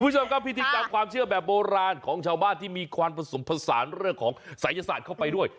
คุณผู้ชมครับพิธีกรรมความเชื่อแบบโบราณของชาวบ้านที่มีความผสมผสานเรื่องของศัยศาสตร์เข้าไปด้วย